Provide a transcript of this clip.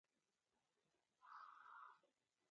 جواهرات د افغانستان د جغرافیایي موقیعت پایله ده.